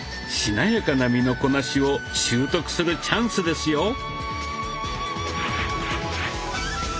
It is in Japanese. しなやかな身のこなしを習得するチャンスですよ。